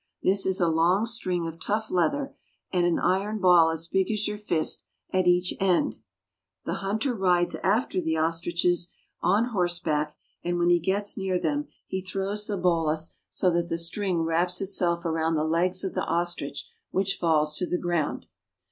This is a long string of tough leather, with an iron ball as big as your fist at each end. The hunter rides after the ostriches PATAGONIA. 171 on horseback, and when he gets near them he throws the bolas so that the string wraps itself around the legs of the ostrich, which falls to the ground.